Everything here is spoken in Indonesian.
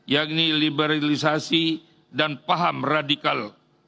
yakni liberalisasi dan paham radikal